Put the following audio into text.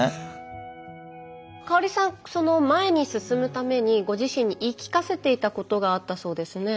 香さん前に進むためにご自身に言い聞かせていたことがあったそうですね。